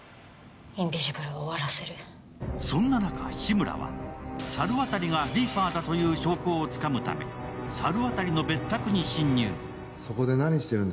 そんな中、志村は、猿渡がリーパーだという証拠をつかむため猿渡の別宅に侵入。